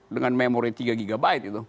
dengan memori tiga gb